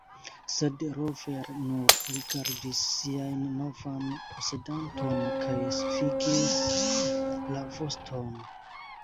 Sed Rover nur rigardis sian novan posedanton kaj svingis la voston.